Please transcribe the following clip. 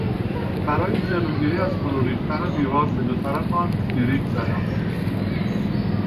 برای جلوگیری از فروریختن دیوار به دو طرف آن دیرک زدیم.